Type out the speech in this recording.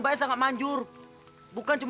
rasanya waktu dulu yaftat